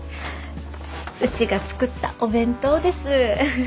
うちが作ったお弁当です。